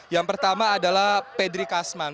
yang pertama adalah pedri kasman